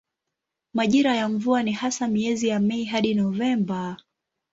Majira ya mvua ni hasa miezi ya Mei hadi Novemba.